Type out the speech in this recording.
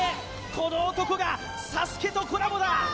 この男がＳＡＳＵＫＥとコラボだ！